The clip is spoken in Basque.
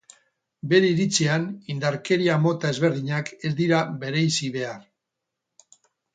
Bere iritzian, indarkeria mota ezberdinak ez dira bereizi behar.